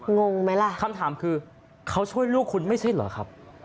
งงไหมล่ะคำถามคือเขาช่วยลูกคุณไม่ใช่เหรอครับ